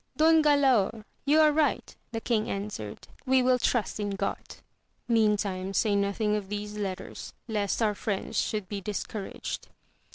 Don Galaor ! you are right, the king answered, we will trust in God. Meantime, say nothing of these letters, lest our friends should be discouraged.